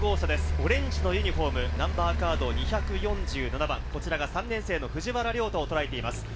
オレンジのユニホーム、ナンバーカード２４７番、こちらが３年生の藤原稜太をとらえています。